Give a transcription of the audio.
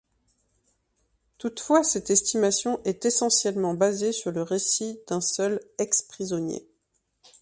Toutefois cette estimation est essentiellement basée sur le récit d’un seul ex-prisonnier.